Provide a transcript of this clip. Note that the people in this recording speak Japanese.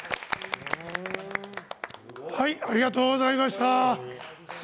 ありがとうございます。